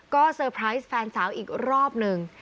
ก็เตอร์ไพรส์แฟนสาวอีกรอบหนึ่ง